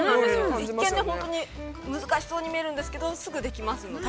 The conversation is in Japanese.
◆一見、本当に、難しそうに見えるんですけど、すぐできますので。